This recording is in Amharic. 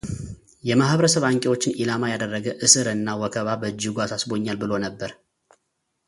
የማኅበረሰብ አንቂዎችን ዒላማ ያደረገ እስር እና ወከባ በእጅጉ አሳሳስቦኛል ብሎ ነበር።